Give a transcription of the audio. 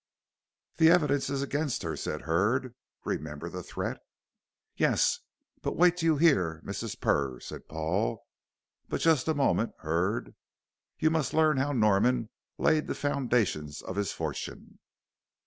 "The evidence is against her," said Hurd; "remember the threat " "Yes, but wait till you hear Mrs. Purr," said Paul, "but just a moment, Hurd. You must learn how Norman laid the foundations of his fortune."